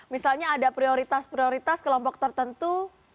misalnya ada prioritas prioritas kelompok tertentu